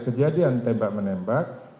kejadian tembak menembak